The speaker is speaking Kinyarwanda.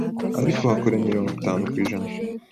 ariko hakora mirongo itanu kw’ijana